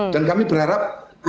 dan kami berharap